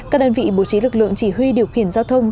các đơn vị bố trí lực lượng chỉ huy điều khiển giao thông